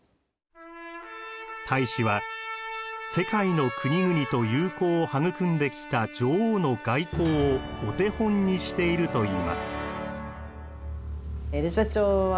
大使は世界の国々と友好を育んできた「女王の外交」をお手本にしているといいます。